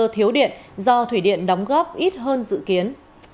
nguy cơ thiếu điện do thủy điện đóng góp ít hơn dự kiến